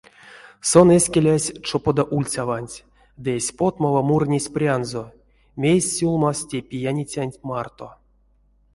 Сон эскелясь чопода ульцяванть ды эсь потмова мурнесь прянзо, мейс сюлмавсь те пияницянть марто.